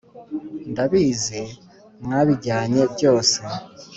Ndabizi mwabijyanye byose